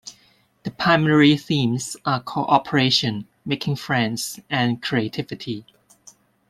The primary themes are cooperation, making friends, and creativity.